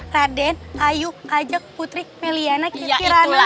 raden ayu ajak putri meliana kiki raden